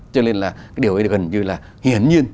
cho nên là cái điều ấy gần như là hiển nhiên